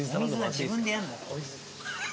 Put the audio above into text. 自分でやるのよ。